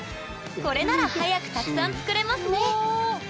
これなら早くたくさん作れますね！